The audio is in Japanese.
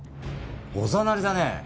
おざなりだね。